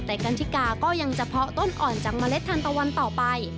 แต่กัณฑิกาก็ยังจะเพาะต้นอ่อนจากเมล็ดทานตะวันต่อไป